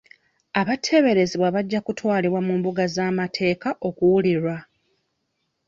Abateeberezebwa bajja kutwalibwa mu mbuga z'amateeka okuwulirwa.